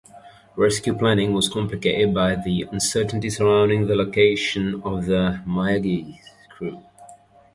Rescue planning was complicated by the uncertainty surrounding the location of the "Mayaguez" crew.